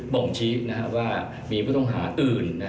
่งชี้ว่ามีผู้ต้องหาอื่น